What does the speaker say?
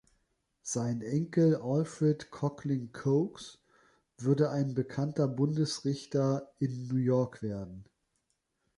Sein Enkel Alfred Conkling Coxe würde ein bekannter Bundesrichter in New York werden.